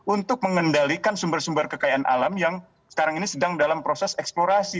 untuk mengendalikan sumber sumber kekayaan alam yang sekarang ini sedang dalam proses eksplorasi